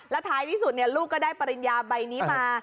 ท้ายที่สุดลูกก็ได้ปริญญาใบนี้มา